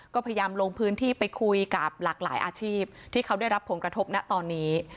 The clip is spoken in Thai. ก็พยายามลงพื้นที่ไปคุยกับหลากหลายอาชีพที่เขาได้รับผลกระทบนะตอนนี้